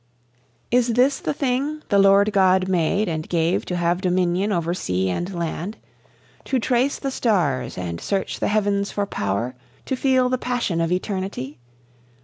Is this the Thing the Lord God made and gave To have dominion over sea and land; To trace the stars and search the heavens for power; To feel the passion of Eternity?